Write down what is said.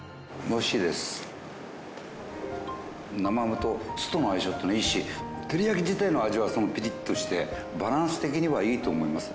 生ハムと酢との相性っていうのがいいし照り焼き自体の味はピリッとしてバランス的にはいいと思います。